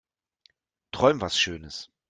Träum was schönes.